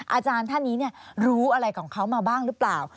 อาจารย์ท่านนี้รู้อะไรของเขามาบ้างหรือเปล่า